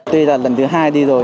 tuy là lần thứ hai đi rồi